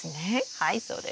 はいそうです。